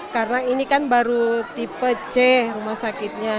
karena ini kan baru tipe c rumah sakitnya